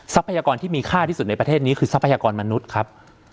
พยากรที่มีค่าที่สุดในประเทศนี้คือทรัพยากรมนุษย์ครับ